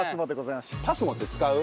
ＰＡＳＭＯって使う？